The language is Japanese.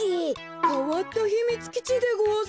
かわったひみつきちでごわす。